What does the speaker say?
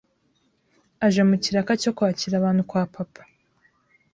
aje mukiraka cyo kwakira abantu kwa Papa